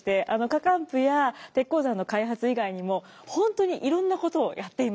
火浣布や鉄鉱山の開発以外にも本当にいろんなことをやっています。